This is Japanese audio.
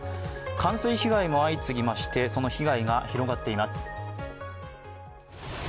冠水被害も相次ぎまして、その被害が広がっています。